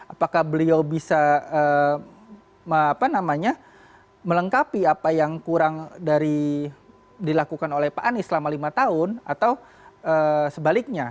apakah beliau bisa melengkapi apa yang kurang dari dilakukan oleh pak anies selama lima tahun atau sebaliknya